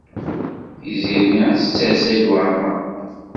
Tiziri ad tetter Saɛid Waɛmaṛ.